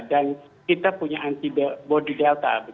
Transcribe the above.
dan kita punya antibody delta